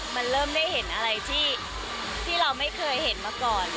มันเริ่มได้เห็นอะไรที่เราไม่เคยเห็นมาก่อน